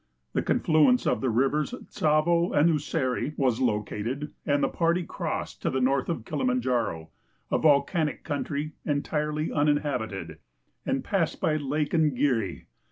The confluence of the rivers Tsavo and Useri was located and the party crossed to the north of Kilimanjaro, a volcanic country en tirely uninhabited, and passed by Lake Ngiri.